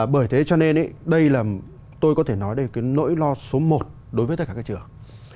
bởi thế cho nên đây là tôi có thể nói được cái nỗi lo số một đối với tất cả các trường